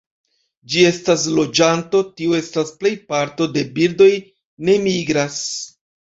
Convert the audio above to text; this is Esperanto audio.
Ĝi estas loĝanto, tio estas plej parto de birdoj ne migras.